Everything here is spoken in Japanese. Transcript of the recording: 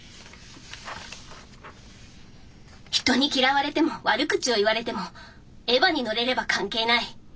人に嫌われても悪口を言われてもエヴァに乗れれば関係ない。